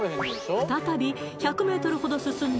再び１００ｍほど進んだ